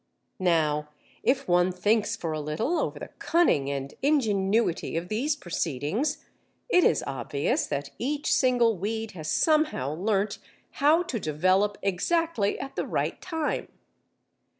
Now if one thinks for a little over the cunning and ingenuity of these proceedings, it is obvious that each single weed has somehow learnt how to develop exactly at the right time.